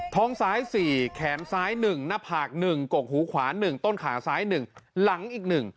ท้องซ้าย๔แขนซ้าย๑หน้าผาก๑กกหูขวา๑ต้นขาซ้าย๑หลังอีก๑